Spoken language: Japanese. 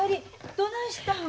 どないしたん？